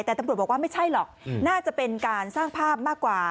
แต่ตำรวจบอกว่าไม่ใช่หรอกน่าจะเป็นการสร้างภาพมากกว่า